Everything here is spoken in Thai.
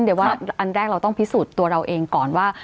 เดี๋ยวว่าอันแรกเราต้องพิสูจน์ตัวเราเองก่อนว่า